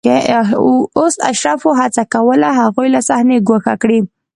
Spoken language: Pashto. اوس اشرافو هڅه کوله هغوی له صحنې ګوښه کړي